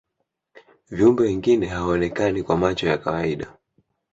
viumbe wengine hawaonekani kwa macho ya kawaida